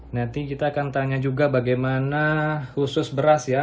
nanti kita akan tanya juga bagaimana khusus beras ya